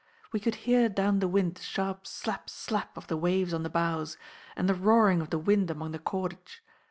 We could hear down the wind the sharp 'slap slap' of the waves on the bows, and the roaring of the wind among the cordage.